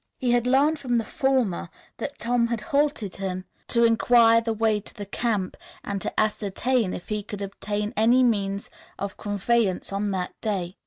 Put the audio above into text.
He had learned from the former that Tom had halted him to inquire the way to the camp and to ascertain if he could obtain any means of conveyance on that day.